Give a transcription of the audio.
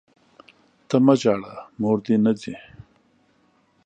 ته مه ژاړه ، موردي نه ځي!